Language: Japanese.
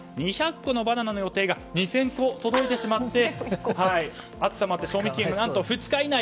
２００個のバナナの予定が２０００個届いてしまって暑さもあって賞味期限が何と２日以内。